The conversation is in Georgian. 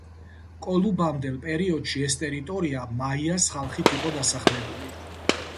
კოლუმბამდელ პერიოდში, ეს ტერიტორია მაიას ხალხით იყო დასახლებული.